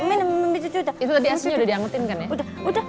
itu tadi asnya udah diangetin kan ya